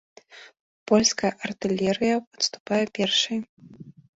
Польская артылерыя адступае першай.